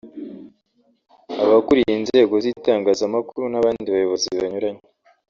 abakuriye inzego z’itangazamakuru n’abandi bayobozi banyuranye